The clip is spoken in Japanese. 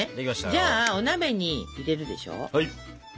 じゃあお鍋に入れるでしょ。